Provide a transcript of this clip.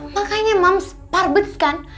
makanya mam parbez kan